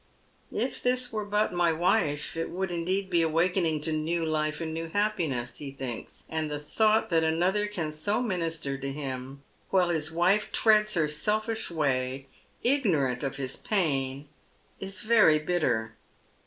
" If this were but my wife, it would indeed be awakening to new life and new happiness," he thinks, and the thought that another can so minister to liim while his wife treads her selfish way, ignorant of his pain, is very bitter.